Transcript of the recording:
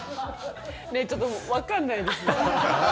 ちょっとわかんないです。